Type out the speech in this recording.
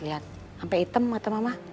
lihat sampai hitam atau mama